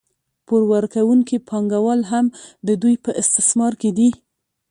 پور ورکوونکي پانګوال هم د دوی په استثمار کې دي